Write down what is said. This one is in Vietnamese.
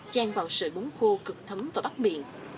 chan vào sợi bún khô cực thấm và bắt miệng